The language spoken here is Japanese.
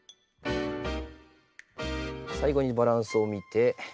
最後にバランスを見て。